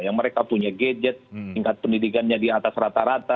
yang mereka punya gadget tingkat pendidikannya di atas rata rata